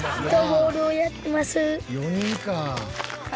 ４人かあ。